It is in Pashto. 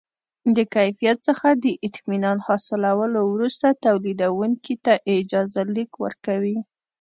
د کیفیت څخه د اطمینان حاصلولو وروسته تولیدوونکي ته اجازه لیک ورکوي.